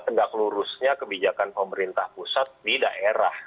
tendak lurusnya kebijakan pemerintah pusat di daerah